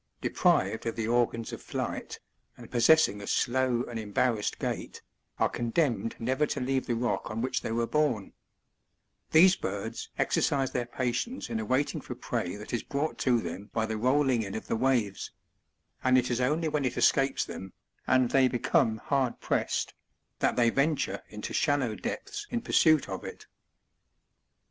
deprived of the organs of flight, and possessing a slow and embarrassed gait, are condemned never to leave the rotk on which they were born These birds exercise their patience in awaiting for prey that is brought to them by the rolling in of the waves ; and it is only when it escapes them, and they become hard pressed, that they venture into shallow depths in pursuit of it.